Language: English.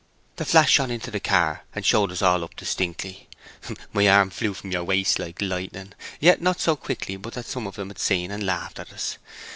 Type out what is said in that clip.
The flash shone into the car, and showed us all up distinctly; my arm flew from your waist like lightning; yet not so quickly but that some of 'em had seen, and laughed at us.